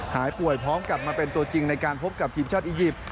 หายป่วยพร้อมกลับมาเป็นตัวจริงในการพบกับทีมชาติอียิปต์